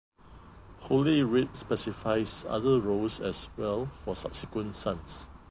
Holy Writ specifies other roles as well for subsequent sons.